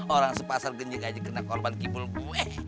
orang sepasar genjik aja kena korban ngipul gue